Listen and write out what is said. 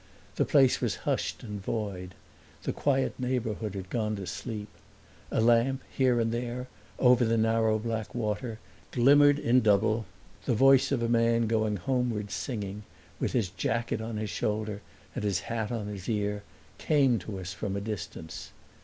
The place was hushed and void; the quiet neighborhood had gone to sleep. A lamp, here and there, over the narrow black water, glimmered in double; the voice of a man going homeward singing, with his jacket on his shoulder and his hat on his ear, came to us from a distance.